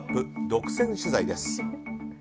独占取材です。